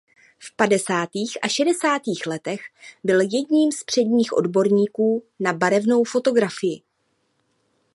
V padesátých a šedesátých letech byl jedním z předních odborníků na barevnou fotografii.